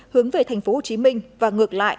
hướng về thành phố hồ chí minh và ngược lại